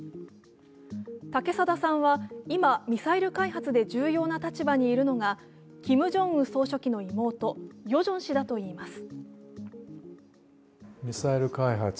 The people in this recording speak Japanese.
武貞さんは今、ミサイル開発で重要な立場にいるのがキム・ジョンウン総書記の妹ヨジョン氏だといいます。